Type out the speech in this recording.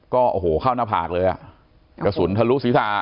ก็โอ้โหเข้าหน้าผากเลยอ่ะกระสุนทะลุศีรษะ